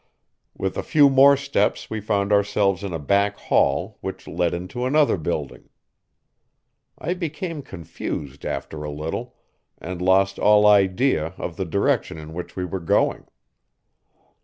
With a few more steps we found ourselves in a back hall which led into another building. I became confused after a little, and lost all idea of the direction in which we were going.